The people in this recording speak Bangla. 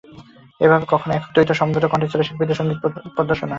এভাবে কখনো একক, দ্বৈত ও সমবেত কণ্ঠে ছিল শিল্পীদের সংগীত পরিবেশনা।